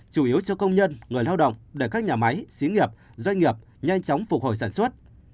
chủ yếu cho công nhân người lao động để các nhà máy xí nghiệp doanh nghiệp nhanh chóng phục hồi sản xuất